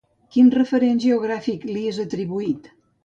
Quin referent geogràfic li és atribuït?